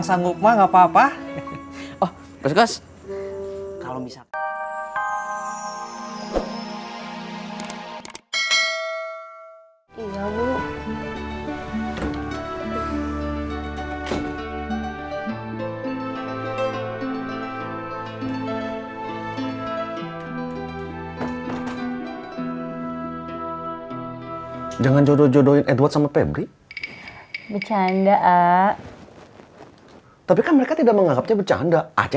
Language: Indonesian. sampai jumpa di video selanjutnya